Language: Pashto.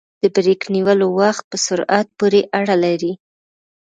د بریک نیولو وخت په سرعت پورې اړه لري